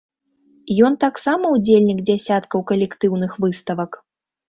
Ён таксама ўдзельнік дзясяткаў калектыўных выставак.